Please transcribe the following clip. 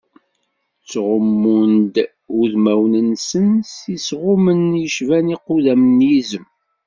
Ttɣummun-d udmawen-nsen s yisɣumen yecban iqudam n yizem.